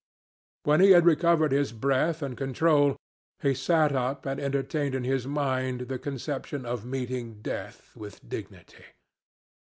When he had recovered his breath and control, he sat up and entertained in his mind the conception of meeting death with dignity.